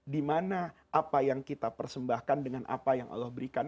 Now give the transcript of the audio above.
dimana apa yang kita persembahkan dengan apa yang allah berikan